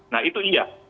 nah itu iya